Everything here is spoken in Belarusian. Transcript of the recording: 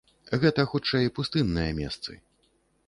Гэта хутчэй пустынныя месцы.